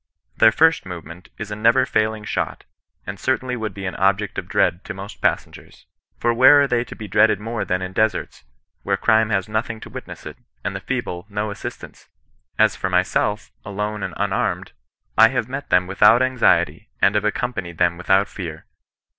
Their first movement is a never failing shot, and certainly would be an object of dread to most passengers ; for where are they to be dreaded more than in deserts, where crime has nothing to wit ness it, and the feeble no assistance? As for myself, alone and mmrmed, I have met them without anxiety, and have accompanied them without fear.